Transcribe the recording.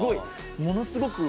ものすごく。